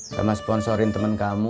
sama sponsorin temen kamu dua puluh